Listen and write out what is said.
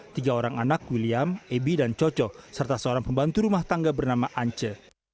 tiga orang anak william ebi dan coco serta seorang pembantu rumah tangga bernama ance